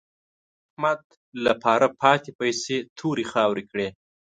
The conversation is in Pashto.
احمد له پاره پاتې پيسې تورې خاورې کړې.